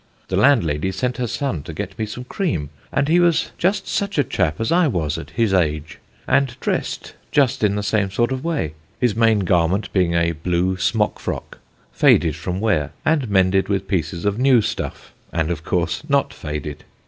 The landlady sent her son to get me some cream, and he was just such a chap as I was at his age, and dressed just in the same sort of way, his main garment being a blue smock frock, faded from wear, and mended with pieces of new stuff, and, of course, not faded.